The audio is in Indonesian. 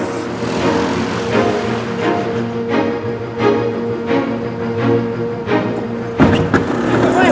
tidak tidak tidak